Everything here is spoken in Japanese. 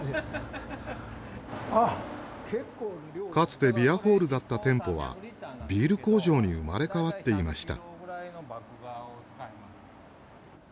かつてビアホールだった店舗はビール工場に生まれ変わっていました。